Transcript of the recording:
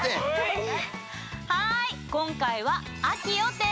はい！